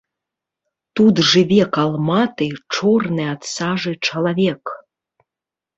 Тут жыве калматы, чорны ад сажы чалавек.